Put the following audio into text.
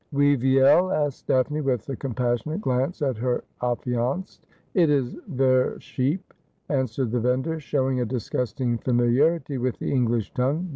' Wie vielf asked Daphne, with a compassionate glance at her affianced. 'It is ver sheep,' answered the vendor, showing a disgusting familiarity with the English tongue.